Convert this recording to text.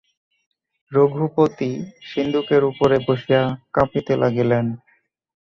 রঘুপতি সিন্দুকের উপরে বসিয়া কাঁপিতে লাগিলেন।